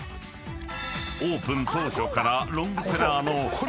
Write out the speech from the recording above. ［オープン当初からロングセラーの］